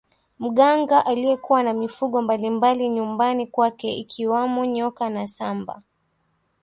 mganga aliyekuwa na mifugo mbalimbali nyumbani kwake ikiwamo nyoka na samba